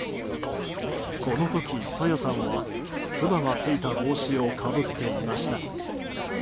この時、朝芽さんはつばがついた帽子をかぶっていました。